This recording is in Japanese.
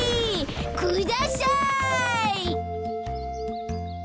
ください！